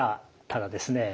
ただですね